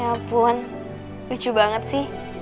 ya ampun lucu banget sih